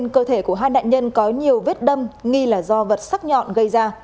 cơ thể của hai nạn nhân có nhiều vết đâm nghi là do vật sắc nhọn gây ra